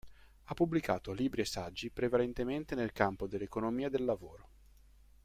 Ha pubblicato libri e saggi prevalentemente nel campo dell'economia del lavoro.